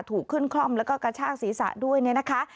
ถูกขึ้นคล่อมแล้วก็กระชากศีรษะด้วยเนี่ยนะคะ